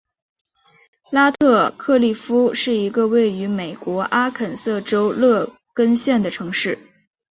拉特克利夫是一个位于美国阿肯色州洛根县的城市。